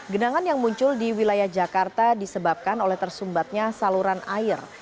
genangan yang muncul di wilayah jakarta disebabkan oleh tersumbatnya saluran air